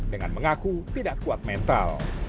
dengan mengaku tidak kuat mental